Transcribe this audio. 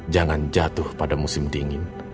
jangan jatuh pada musim dingin